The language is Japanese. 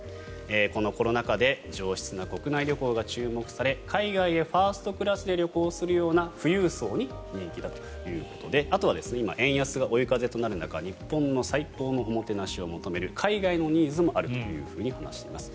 このコロナ禍で上質な国内旅行が注目され海外へファーストクラスで旅行するような富裕層に人気だということであとは今、円安が追い風となる中日本の最高のおもてなしを求める海外のニーズもあるというふうに話しています。